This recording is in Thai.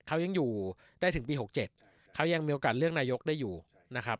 เขายังอยู่ได้ถึงปี๖๗เขายังมีโอกาสเลือกนายกได้อยู่นะครับ